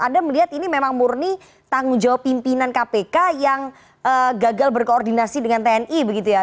anda melihat ini memang murni tanggung jawab pimpinan kpk yang gagal berkoordinasi dengan tni begitu ya